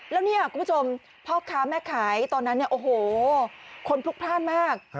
แล้วเนี่ยคุณผู้ชมพ่อค้าแม่ขายตอนนั้นเนี่ยโอ้โหคนพลุกพลาดมาก